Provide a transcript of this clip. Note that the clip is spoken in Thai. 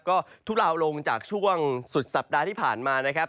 ก็ทุลาวลงจากช่วงสุดสัปดาห์ที่ผ่านมานะครับ